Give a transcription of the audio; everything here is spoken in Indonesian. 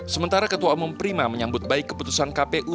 sementara ketua umum prima menyambut baik keputusan kpu